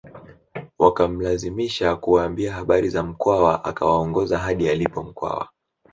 Wakamlazimisha kuwaambia habari za Mkwawa akawaongoza hadi alipo Mkwawa